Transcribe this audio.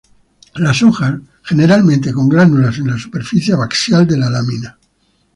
Las hojas generalmente con glándulas en la superficie abaxial de la lámina.